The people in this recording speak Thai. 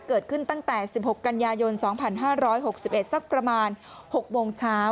เกิดขึ้นตั้งแต่๑๖กันยายน๒๕๖๑สักประมาณ๖โมงเช้า